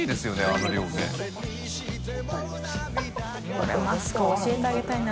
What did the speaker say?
これマスク教えてあげたいな。